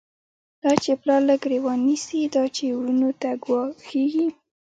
دا چی پلار له گریوان نیسی، دا چی وروڼو ته گوا ښیږی